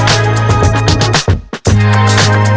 mi aku pengen pulang